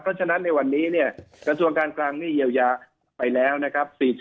เพราะฉะนั้นในวันนี้เนี่ยกระทรวงการคลังนี่เยียวยาไปแล้วนะครับ